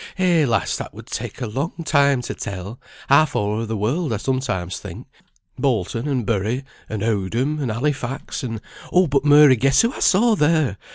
"Eh, lass, that would take a long time to tell. Half o'er the world I sometimes think. Bolton, and Bury, and Owdham, and Halifax, and but Mary, guess who I saw there!